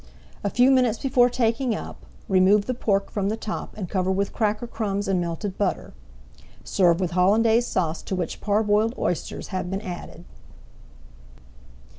A few minutes before taking up, remove the pork from the top and cover with cracker crumbs and melted butter. Serve with Hollandaise Sauce to which parboiled oysters have been added.